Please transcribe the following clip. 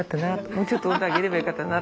もうちょっと温度上げればよかったな」